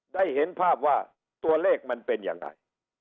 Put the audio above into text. ได้เห็นภาพว่าตัวเลขมันเป็นยังไง